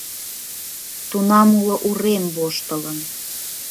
Тунам уло урем воштылын.